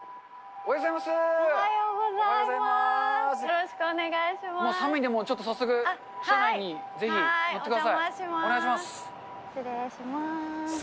おはようございます。